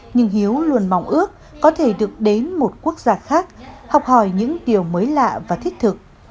nhưng hiếu luôn mong ước có thể được đến một quốc gia khác học hỏi những điều mới lạ và thiết thực